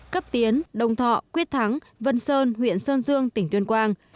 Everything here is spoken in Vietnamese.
cấp tiến đồng thọ quyết thắng vân sơn huyện sơn dương tỉnh tuyên quang